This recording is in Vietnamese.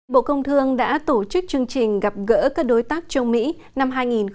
bộ công thương đã tổ chức chương trình gặp gỡ các đối tác châu mỹ năm hai nghìn hai mươi